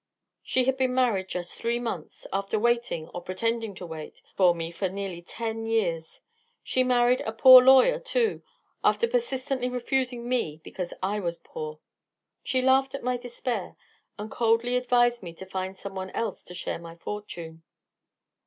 She had been married just three months, after waiting, or pretending to wait, for me for nearly ten years! She married a poor lawyer, too, after persistently refusing me because I was poor. She laughed at my despair and coldly advised me to find some one else to share my fortune."